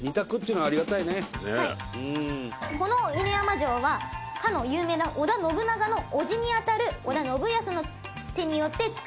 響大君：この犬山城はかの有名な織田信長のおじにあたる織田信康の手によって造られたお城です。